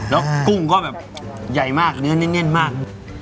แล้วกุ้งก็แบบใหญ่มากเนื้อแน่นมาก